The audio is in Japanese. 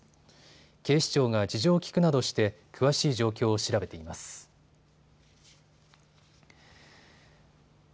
警視庁が事情を聴くなどして詳しい状況を調べています。